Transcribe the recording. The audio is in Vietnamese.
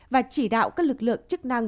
và chỉ đạo các lực lượng chức năng